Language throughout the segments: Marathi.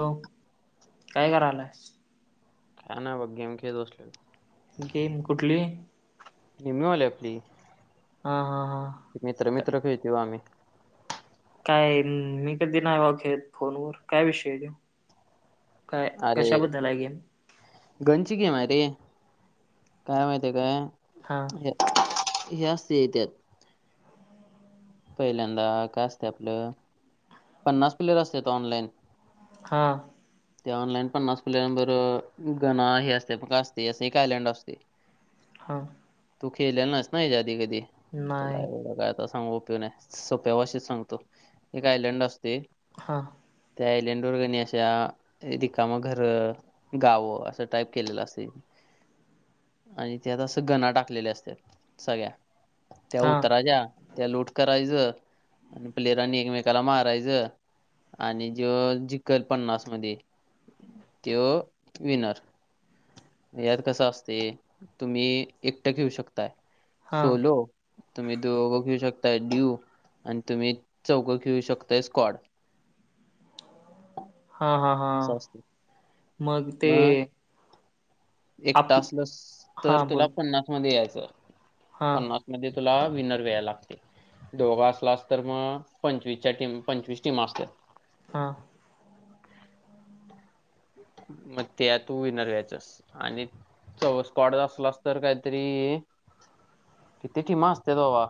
हॅलो, काय करायालायस? काय नाय बघ गेम खेळत बसलोय ब. गेम कुठली? नेहमी वाली आपली. हा हा हा. मित्र मित्र खेळतोय ब आम्ही. काय मी कधी नाही ब खेळत फोन वर, काय विषय तो? काय, कशाबद्दल आहे गेम. गन ची गेम आहे मरे, काय माहितीय काय? हा. हे हे असतय त्यात पहिल्यांदा काय असतय आपलं पन्नास प्लेअर असत्यात ऑलाइन. हां. त्या ऑनलाईन पन्नास प्लेयरांबरोबर, गणा हे असतय काय असतय अस एक आयलड असतय. [inaudible] हां. तु खेळलेला नाईस ना याच्या आधी कधी, तुला नाही एवढं काय आता सांगुण उपयोग नाही. सोप्या भाषेत सांगतो, एक आयलड असतय. हा त्या आयलड वरगणी अशा रिकामा घर. गावं असं टाईप केलेलं असेल. आणि त्यात असं गणा टाकलेले असतात सगळ्या. त्या हा उतरायच्या्या त्या लूट करायचं आणि प्लेअरांनी एकमेकाला मार यच आणि जे जिकल पन्नास मध्ये त विनर. यात कस असते तुम्ही एकटं घेऊ शकताय. हा सोलो तुम्ही दघ खेळू शकता ड्यू आणि तुम्ही चौक खेळू शकता. तेसकॉड. हा हा हा असं असत मग ते म एक त आपल असल तर हा तुला बोल पन्नास मध्ये यायचं हा पन्नास. म्हणजे तुला विनर व्यायला लागतय दोघ असलास तर मग पंचवीसच्या टीमन. पंचवीस टीमा असत्यात. हा. म ते तू विनर व्यायचस आणि. तवर स्कॉटच असलास तर काहीतरी किती टीमा असत्यात बाबा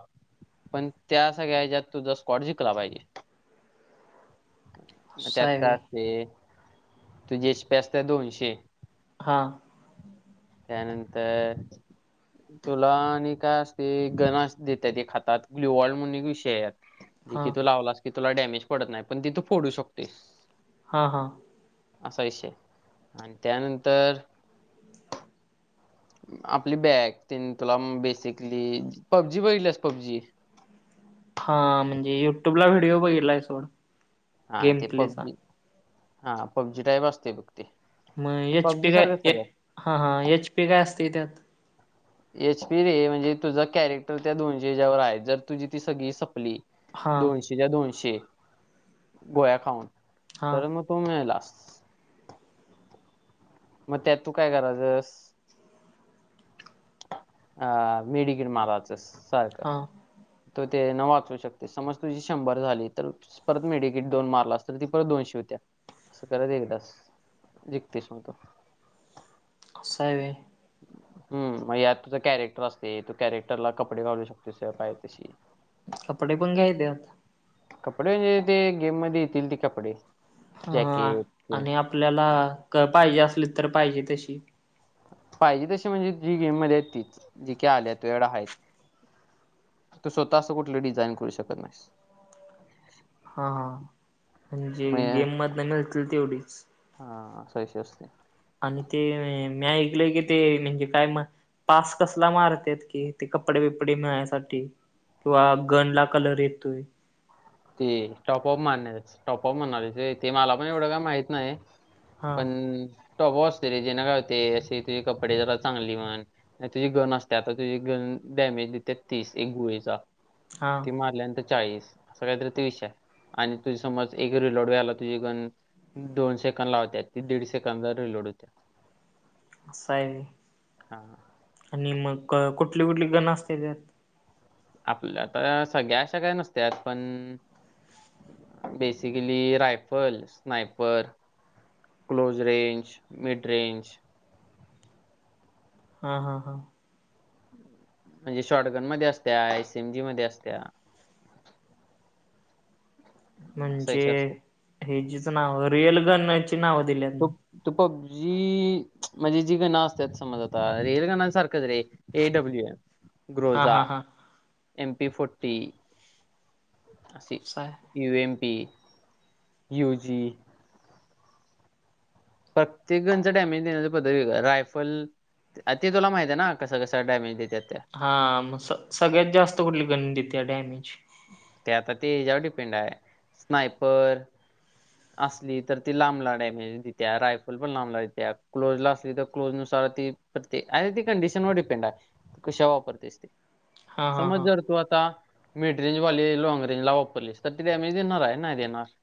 पण त्या सगळ्या ह्याच्यात तुझा स्कॉट जिंकला पाहिजे. म असं त्यात आहे व्हय काय असतय तुझी शिपी असत्या दोनशे. हा. त्यानंतर. तुला आणि काय असतय गण अस देत्यात एक हातात ग्लुवाड म्हणून एक विषय हाय. जे हा की तू लावलास की तुला डॅमेज पडत नाही पण ते तू फोडू शकतोयस हा हा. असा विषय हाय आणि त्यानंतर. आपली बॅग तनी तुला बेसिकली पबजी वळलीस पबजी. हा म्हणजे युट्युब ला व्हिडिओ बघितला आहे सोड. हा गेम ते प्लेचा पबजी हा पबजी टाईप असते बघ ते. मग एच पी पबजी सारखं काय सगळं हा हा एच पी काय असते त्यात. एच पी रे म्हणजे तुझा कॅरेक्टर त्या दोनशेच्या वर हाय जर तुझी ती सगळी सपली हा दोनशेच्या दोनशे गोळ्या खाऊन हा तर मग. तू मेलास. मग त्यात तू काय करायचंस? अ मिडीकिट मारायचस सारख हा. तू त्या हेन वाचवू शकतेस समज तुझी शंभर झाली. तर परत मेडिकिट दोन मारलास तर ती परत दोनशे होत्यात असं करत एकदाच. जिकतयस मग तू आस हाय व्हय. हम मग यात तुझं कॅरेक्टर असतय तू कॅरेक्टरला कपडे घालू शकतोस तुला पाहिजे तशी. कपडे पण घ्यायच त्याच्यात. कपडे म्हणजे ते गेम मध्ये येतील ती कपडे. हा जॅकेट ते आणि आपल्याला पाहिजे असलीत तर पाहिजे तशी. पाहिजे तशी म्हणजे जी गेममध्ये आहेत तीच जी की आल्यात तुझ्याकडं हायत. तू स्वतः असं कुठल डिझाईन करू शकत नाहीस. हा हा म्हणजे मग हे- गेममधन मिळतील तेवढीच. हा असा विषय असतोय. आणि ते मी ऐकलंय की ते म्हणजे काय म पास कसला मारत्यात कि ते कपडे बिपडे मिळायसाठी. किंवा गन ला कलर येतोय. ते टॉपऑफ मारण्याचं टॉपऑफ म्हणालयास व्हय ते मला पण एवढं काय माहित नाही. हा पण टॉपऑफ असतय रे तेन काय होतय. अशी तुझी कपडे जरा चांगली म्हण. नाय तुझी गण असत्या आता तुझी गन डॅमेज देत्या तीस एक गोळीचा. हा ती मारल्यानंतर चाळीस आस काय तरी तो विषय हाय. आणि तुझ समज एक रिलोड व्हायला तुझी गण. दोन सेकंड लावत्या ती दीड सेकंदड रिलोड होत्या आस हाय व्हय. हा आणि मग कुठली कुठली गण असत्या तेजात आपल्या तर सगळ्या अशा काही नात्यात पण basically rifle sniper close range mid range हा हा हा म्हणजे शॉर्टगन मध्ये असत्या आयसीएम जी मध्ये असत्या. असं म्हणजे याच्या असते ह जीच नाव रिअल गनची नाव दिलीत तू मग तू पबजी म्हणजे जी गण असतात समज आता रिअल गाण्यासारखंच रे एडब्ल्यू ए हा ग्रोजा हा हा एम पी फोर्टी अस असं आहे. यू एम पी यू जी प्रत्येक गणच डॅमेज देण्याच पद्धती व रायफल ते तुला माहती आहे ना कसं कसं डॅमेज देतात त्या हा मग स सगळ्यात जास्त कुठली गण देते डॅमेज ते आता ते हच्यावर डिपेंड आहे स्नायपर असली तर ती लांबला डॅमेज देत्या रायफल पण लांबला देत्या क्लोज ला असली तर क्लोजनुसार ती प्र अरे ती कंडिशन वर डिपेंड आहे कशा वापरतेसते हा हा समज हा जर तू आता मिड रेंजवाली लाँग रेंजला वापरलीस तर ती डॅमेज देणार हाय नाय देणार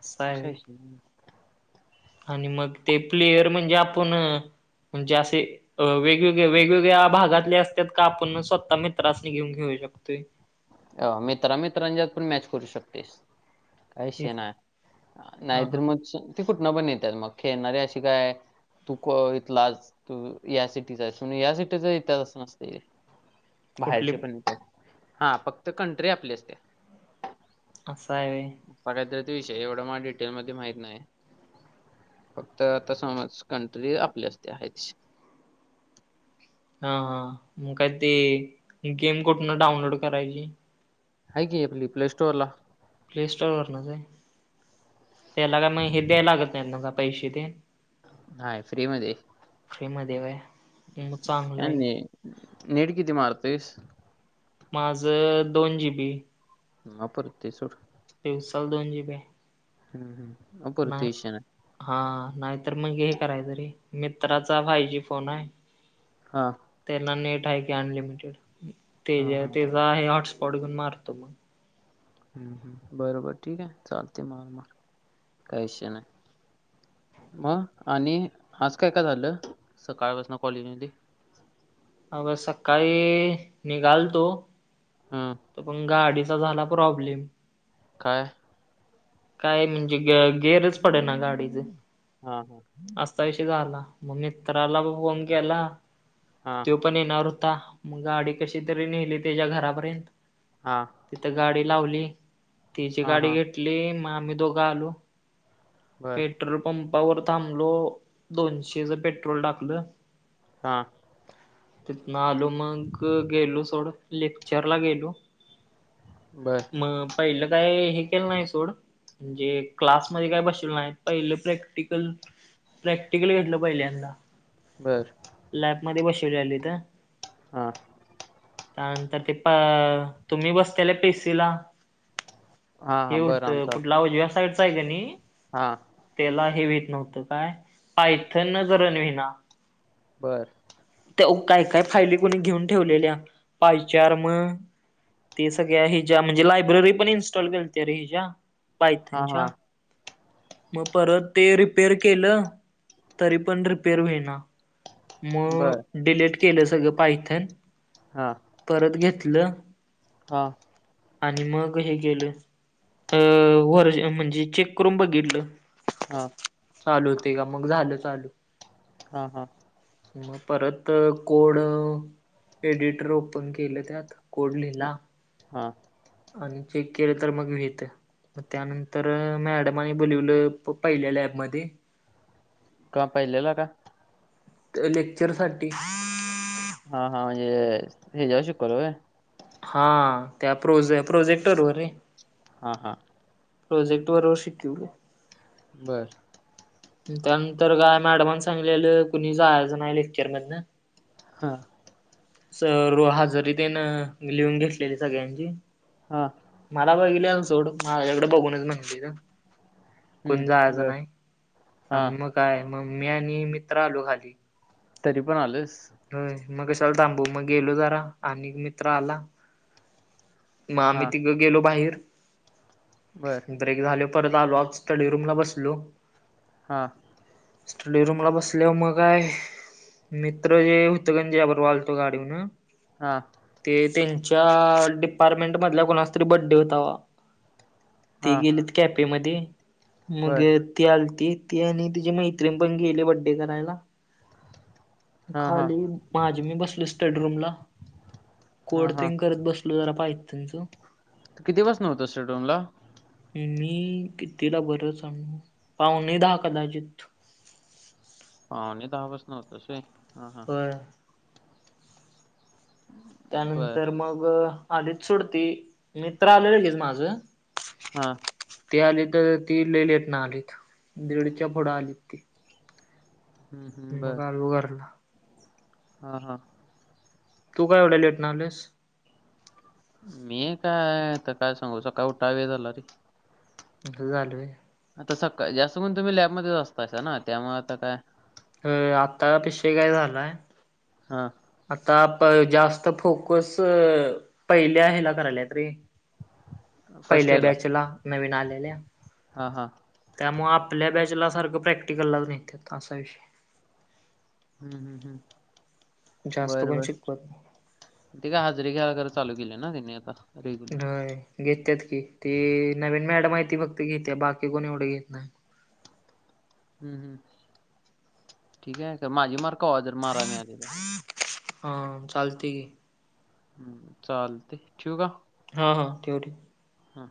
असं आहे आसा व्हय विषय हाय आणि मग ते प्लेयर म्हणजे आपण म्हजेे आसे अ वेगवेगळ्या वेगवेगळ्या भागातले असत्यात. का आपण स्वतः मित्रासनि घेऊन खेळू शकतोय. अ मित्रांमित्रांच्यात पण मॅच करू शकतोयस. अश हे ना हा नाहीतर हा मग ते कुठ नां पण येतात मग खेळणारी अशी काय तू इथला तू या सिटीचा आहे या सिटीचा इतिहासच नसते कुठली बाहेरचे पण येत हा फक्त कंट्री आपलीचते असं आहे गयद्र त विषय एवढा मला डिटेल मध्ये माहत नाही फक्त आता समज कंट्री आपल्या असते आहेच हा हा मग काय ते गेम कुठून डाउनलोड करायची आहे की आपली प्ले स्टोर ला प्ले स्टोर वर न का त्याला का मग हे द्याय लागत नाहीत ना का पैसे ते हा फ्री म फ्रीम देवय काय नीट किती मारतेस माझं दोन जी बी म परत ते सुड देवसाल दोन जीबे हम्म हम्पर त विशष ना हा नाहीतर मग हे कराय तरी मित्राचा फायजी फोन आहे हा त्याला नेट आहे की अनलिमिटेड ते हा ज हा त्याचा आहे हॉटस्पॉट घेऊन मारतो मग हम् हम् बरोबर ठीक आहे चालते मार मार काहीश नाही मग आणि आज काय काय झालं सकाळपासन कॉलेजमध्ये अग सकाळी निघालतो हम त पण गाडीचा झाला प्रॉब्लेम काय काय म्हणजे ग गेअरच पडे ना गाडीचे हा हा असता विशी झाला मग मित्राला फोन केला हा तो पण येणार होता मग गाडी कशी तरी नेली त्याच्या घरापर्यंत हा तिथे गाडी लावली तिची हा गाडी हा घेतली मग आम्ही दोघं आलो बर पेट्रोल पंपावर थांबलो दोनशेच पेट्रोल टाकलं हा तिथन आलो मग गेलो सोडं लेक्चर ला गेलो बर म पहिलं काय हे के नाही सोडणे क्लासमध्ये का ब पहिलं प्रॅक्टिकल प्रॅक्टिकल घेतलं पहिल्यांदा बर लॅबमध्ये बसव आली तर हम त्यानंतर ते प तुम्ही बसताल पेसीला हां, हे हां. बरं होतं कुठलावज व्या साईडचं आहे का नाही हा त्याला हेवीेत नव्हतं काय पायथन न करण विना बरं त्या काय काय फायली कोुणी घेऊन ठेवलेल्या पायचार मग ते सगळ्या हिच्या म्हणजे लायब्ररी पण इन्स्टॉल केलते अ रे हिच्या हां, हां. पायथनच्या मग परत ते रिपेर केलं तरी पण रिपेर होईना मग बरं. डिलीट केलं सगळं पाहिथेन हा परत घेतलं हां आणि मग हे केलं अ वर्ज म्हणजे चेक करून बघितलं हां, चालू होते का मग झालं चालू हा हा मग परत कोड एडिटर ओपन केलं त्यात कोड हां, लिहिला हां. आणि चेक केले तर मग भेत मग त्यानंतर मॅडमाने बोलवलं पहिल्या लॅबमध्ये का पहिलेला का लेक्चर साठी हा हा म्हणजे हे जाऊ शिकल हा त्या प्रोजे प्रोजेक्टर वर रे हा हा प्रोजेक्ट बरोबर शिकवे बर त्यानंतर काय मॅडमन सांगलेलं कुणी जायज नाही आहे लेक्चर मधन हा सर्व हजरी तेन लिहून घेतलेली सगळ्यांची. हा! मला बघितलेल सोड माझ्याकडें बघूनच म्हनलीया. कुणी हं. जायचं बरं. नाही हां. आण मग काय मम्मी आणि मी तर आलो खाली. तरी पण आलंस? हो मग कशाला थांबू मग गेलो जरा आणि मित्र आला म आम्ही हां. तिघं गेलो बाहेर बरं! ब्रेक झाल परत आलो आज स्टडी रूमला बसलेलो. हां! स्टडी रूमला बसल्यावर मग काय मी होतं गंजे त्याबरोबर आलतो गाडीवन. हां! ते त्यांच्या डिपार्टमेंटमधल्या कोणाचा तरी बड्डे होता. ती हां. गेलेत कॅपे मध्ये मग बरं. ती आलती ती आणि तिची मैत्रिण पण गेली बड्डे करायला. हां, हां, खाली माझी मी बसलो स्टडीरूमला हां, हां. कोडतीग करत बस लेलो जरा पायथनच. किती पसणं होता स्टडी रूमला? मी कितीला बरं सांगू पाहुणे दहा कदाचित! पाहुणे दहा पासन होतस होय? हां, हां. होय! बरं. त्यानंतर मग आलीत सोड ती मित्र आलं लगेच माझं. हा! ती आलीत ती लई लेटणं आलीत दिडच्या फूडं आलीत ती. हं, हं. मग आलो घरला. हा हा. तू का एवढ्या लेटण आलस? मी काय आता काय सांगू सकाळ उठाय वेळ झालं रे! असं झाल होय! आता सकाळ, जास्त म्हणून तुम्ही लॅबमध्ये असता असा ना त्यामुळे आता काय आत्ता विषय काय झालाय हा! आता जास्त फोकस पहिल्या ह्याला करायल्यात रे. फर्स्ट पहिल्या बॅचला नवीन आलेल्या हा हा! त्यामुळं आपल्या बॅचला सारखं प्रॅक्टिकललाच नेत्यात असा विषय हम्म हम्म हम्म जास्त बरं कोण बर! शिकवत नाही. ते काय हजरी घ्यायला चालू केलीया ना त्यांनी आता? रेग्युलर होय घेत्यात की ती नवीन मॅडम आहे ती फक्त घेतिया बाकी कोण एवढं घेत नाही. हम्म ठीक आहे माझी मार्क कवा जर मारा मिळाली तर हा चालते की. हम्म चालते ठिउ का? हा हा ठेव ठेव! हा!